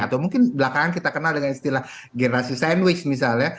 atau mungkin belakangan kita kenal dengan istilah generasi sandwich misalnya